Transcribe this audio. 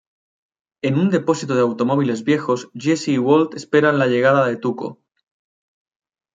En un depósito de automóviles viejos, Jesse y Walt esperan la llegada de Tuco.